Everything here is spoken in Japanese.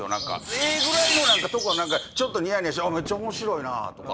ええぐらいのとこがちょっとニヤニヤして「めっちゃ面白いなぁ」とか。